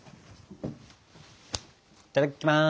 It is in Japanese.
いただきます！